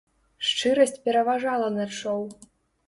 Шчырасць пераважала над шоу.